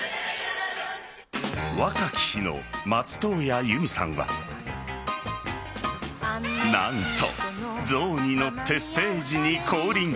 若き日の松任谷由実さんは何と、象に乗ってステージに降臨。